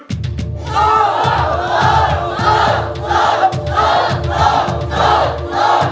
สู้สู้สู้